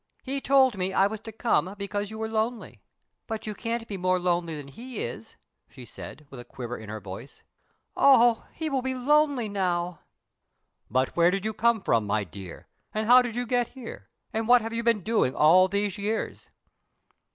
He told me I was to come because you were lonely; but you can't be more lonely than he is," she said, with a quiver in her voice. "Oh! he will be lonely now!" "But where did you come from, my dear, and how did you get here, and what have you been doing all these years?"